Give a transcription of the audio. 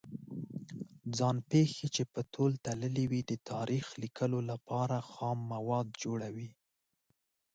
ځان پېښې چې په تول تللې وي د تاریخ لیکلو لپاره خام مواد جوړوي.